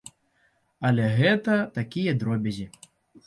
Але гэта такія дробязі.